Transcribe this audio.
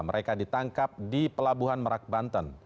mereka ditangkap di pelabuhan merak banten